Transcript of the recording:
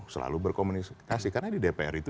selalu berkomunikasi karena di dpr itu